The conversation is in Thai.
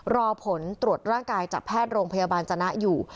รอผลตรวจร่างกายจากแพทย์โรงพยาบาลจนะอยู่